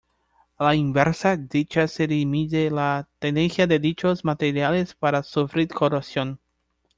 A la inversa, dicha serie mide la tendencia de dichos materiales para sufrir corrosión.